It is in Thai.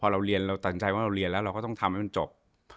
เราตำรงใจว่าเราเรียนแล้วเราก็ต้องทำให้มันจบ